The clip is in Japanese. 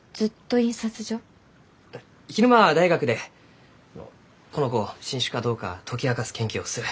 昼間は大学でこの子を新種かどうか解き明かす研究をする。